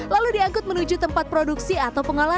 lalu diangkut menuju tempat produksi atau pengolahan